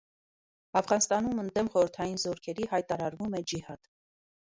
Աֆղանստանում ընդդեմ խորհրդային զորքերի հայտարարվում է ջիհադ։